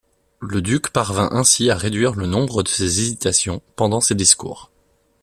Le duc parvint ainsi à réduire le nombre de ses hésitations pendant ses discours.